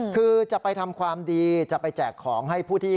คือจะไปทำความดีจะไปแจกของให้ผู้ที่